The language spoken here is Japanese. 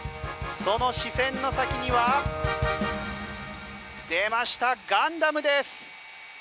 その視線の先には出ました、ガンダムです！